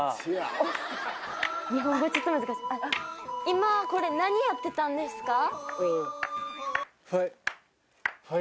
今これ何やってたんですか？